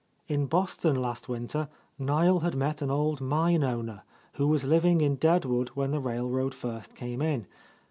In Boston last winter Niel had met an old mine owner, who was living in Deadwood when the railroad first came in.